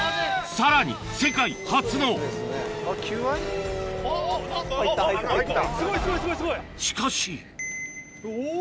さらに世界初のしかしおぉ？